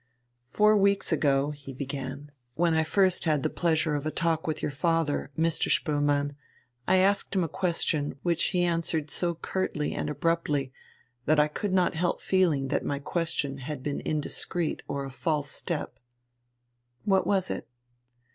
"Four weeks ago," he began, "when I first had the pleasure of a talk with your father, Mr. Spoelmann, I asked him a question which he answered so curtly and abruptly that I could not help feeling that my question had been indiscreet or a false step." "What was it?"